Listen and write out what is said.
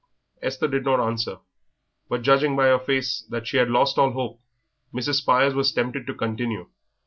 Esther did not answer, but judging by her face that she had lost all hope, Mrs. Spires was tempted to continue.